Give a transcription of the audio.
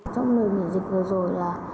trong lời nghỉ dịch vừa rồi là